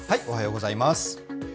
おはようございます。